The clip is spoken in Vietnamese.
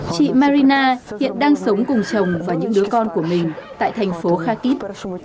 chị marina hiện đang sống cùng chồng và những đứa con của mình tại thành phố khakit